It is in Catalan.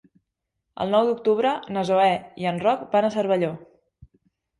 El nou d'octubre na Zoè i en Roc van a Cervelló.